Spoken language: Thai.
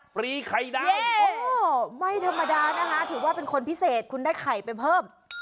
ปรีไข่ดาวไม่ธรรมดานะคะถือว่าเป็นคนพิเศษคุณได้ไข่ไปเพิ่ม